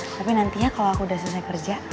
tapi nantinya kalau aku udah selesai kerja